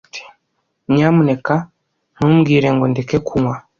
Nyamuneka ntumbwire ngo ndeke kunywa